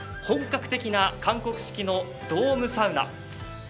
本格的な韓国式のドームサウナ。